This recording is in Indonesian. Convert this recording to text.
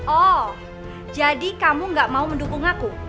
oh jadi kamu gak mau mendukung aku